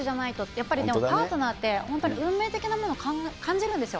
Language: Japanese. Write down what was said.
やっぱりパートナーって、本当に運命的なものを感じるんですよ。